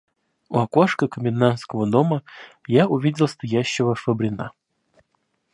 У окошка комендантского дома я увидел стоящего Швабрина.